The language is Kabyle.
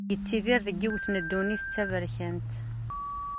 Yettidir deg yiwet n ddunit d taberkant.